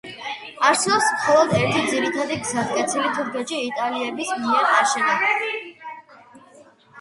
არსებობს მხოლოდ ერთი ძირითადი გზატკეცილი თურქეთში, იტალიელების მიერ აშენებული.